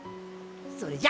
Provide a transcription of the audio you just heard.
それじゃ。